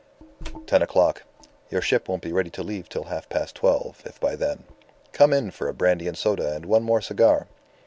"Ten o'clock. Your ship won't be ready to leave till half past twelve, if by then. Come in for a brandy and soda and one more cigar."